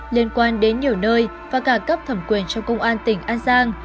liên quan đến nhiều nơi và cả cấp thẩm quyền trong công an tỉnh an giang